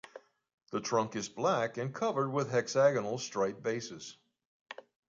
The trunk is black and covered with hexagonal stipe bases.